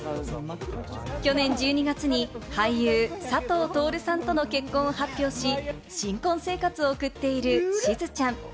去年１２月に俳優・佐藤達さんとの結婚を発表し、新婚生活を送っている、しずちゃん。